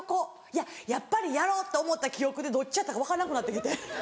いややっぱりやろうって思った記憶でどっちやったか分からんくなって来て。